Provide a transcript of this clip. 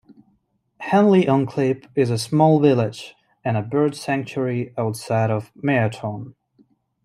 Henley on Klip is a small village and a bird sanctuary outside of Meyerton.